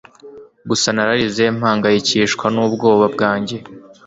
gusa nararize mpangayikishwa n'ubwoba bwanjye